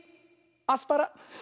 アスパラ。